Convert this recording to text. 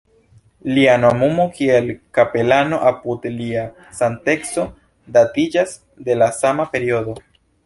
Lia nomumo kiel kapelano apud Lia Sankteco datiĝas de la sama periodo.